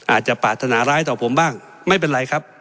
อาจจะปรารถนาร้ายต่อผมบ้างไม่เป็นไรครับ